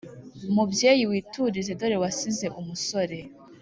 mubyeyi witurize dore wasize umusore,